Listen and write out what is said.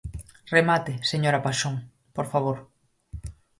Remate, señora Paxón, por favor.